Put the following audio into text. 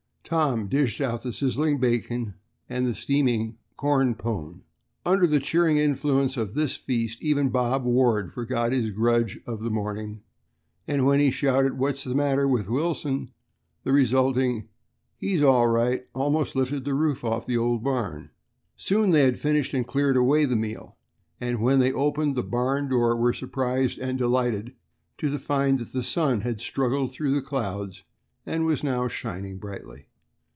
Tom dished out the sizzling bacon and steaming "corn pone." Under the cheering influence of this feast even Bob Ward forgot his grudge of the morning, and when he shouted, "What's the matter with Wilson?" the resulting "He's all right!" almost lifted the roof off the old barn. Soon they had finished and cleared away the meal, and when they opened the barn door were surprised and delighted to find that the sun had struggled through the clouds and was now shining brightly.